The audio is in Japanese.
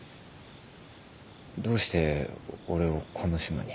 どうして俺をこの島に。